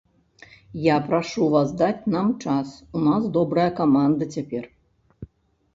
Я прашу вас даць нам час, у нас добрая каманда цяпер.